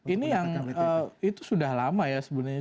ini yang itu sudah lama ya sebenarnya